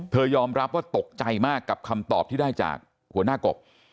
ยอมรับว่าตกใจมากกับคำตอบที่ได้จากหัวหน้ากบ